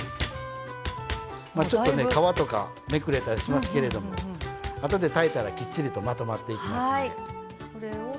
ちょっと皮とかめくれたりしますけどあとで炊いたらまとまっていきますので。